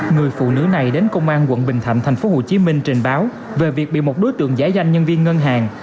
người phụ nữ này đến công an quận bình thạnh tp hcm trình báo về việc bị một đối tượng giải danh nhân viên ngân hàng